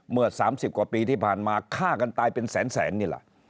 เมื่อ๓๐กว่าปีที่ผ่านมาฆ่ากันตายเป็นแสนนี่แหละ